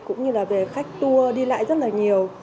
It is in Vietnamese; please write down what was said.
cũng như là về khách tour đi lại rất là nhiều